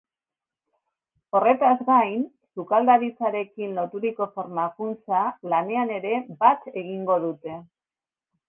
Horretaz gain, sukaldaritzarekin loturiko formakuntza lanean ere bat egingo dute.